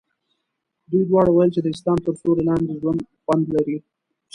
دوی دواړو ویل چې د اسلام تر سیوري لاندې ژوند خوند لري.